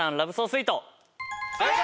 正解！